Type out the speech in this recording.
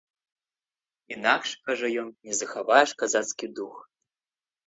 Інакш, кажа ён, не захаваеш казацкі дух.